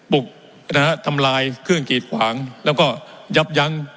บุกนะฮะทำลายเครื่องกีดขวางแล้วก็ยับยั้ง